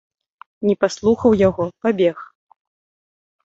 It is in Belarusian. Не паслухаў яго, пабег.